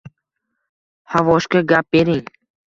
Havoshka ga bering